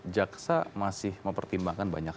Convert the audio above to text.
caksa masih mempertimbangkan banyak